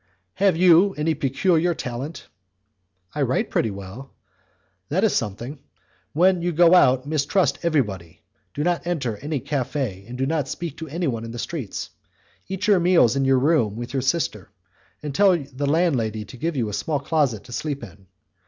"Have you any peculiar talent?" "I write pretty well." "That is something. When you go out, mistrust everybody; do not enter any cafe, and never speak to anyone in the streets. Eat your meals in your room with your sister, and tell the landlady to give you a small closet to sleep in.